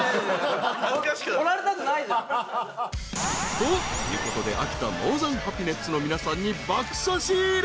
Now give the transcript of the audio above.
［ということで秋田ノーザンハピネッツの皆さんに爆差し入れ］